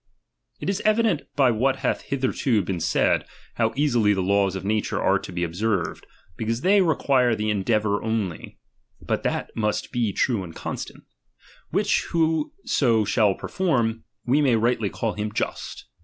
It is evident by what hath hitherto been ^^I'^^'l^ said, how easily the laws of nature are to be ob ""'""'.' served, because they require the endeavour only, (but that must be true and constant) ; which who so shall perform, we may rightly call him Just.